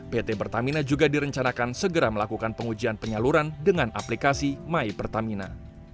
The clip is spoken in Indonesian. pt pertamina juga direncanakan segera melakukan pengujian penyaluran dengan aplikasi my pertamina